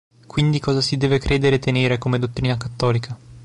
Quindi cosa si deve credere e tenere come dottrina cattolica?